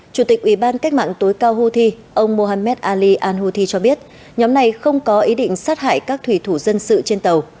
chủ tịch ủy ban cách mạng tối cao houthi ông mohammed ali al houthi cho biết nhóm này không có ý định sát hại các thủy thủ dân sự trên tàu